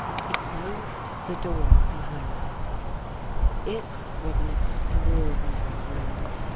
He closed the door behind him. It was an extraordinary room.